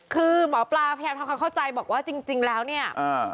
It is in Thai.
คือหมอปลาพยายามทำความเข้าใจบอกว่าจริงจริงแล้วเนี่ย